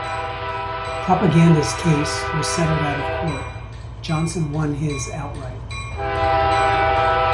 Propaganda's case was settled out of court; Johnson won his outright.